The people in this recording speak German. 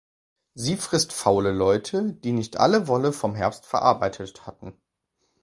Sie frisst faule Leute, die nicht alle Wolle vom Herbst verarbeitet hatten.